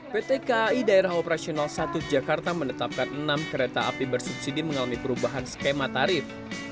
pt kai daerah operasional satu jakarta menetapkan enam kereta api bersubsidi mengalami perubahan skema tarif